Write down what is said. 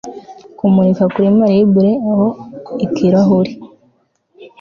Kumurika kuri marble aho ikirahure